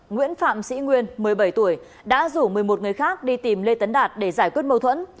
nguyễn phạm sĩ nguyên một mươi bảy tuổi đã rủ một mươi một người khác đi tìm lê tấn đạt để giải quyết mâu thuẫn